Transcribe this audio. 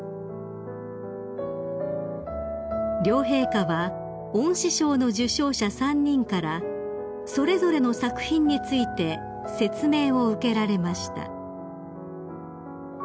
［両陛下は恩賜賞の受賞者３人からそれぞれの作品について説明を受けられました］